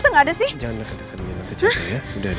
jangan deket deket jangan kecewa ya